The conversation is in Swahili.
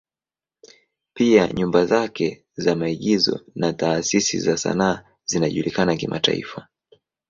Pia nyumba zake za maigizo na taasisi za sanaa zinajulikana kimataifa.